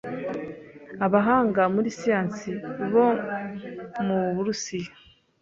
Abahanga muri siyansi bo mu Burusiya